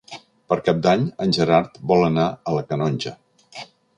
Per Cap d'Any en Gerard vol anar a la Canonja.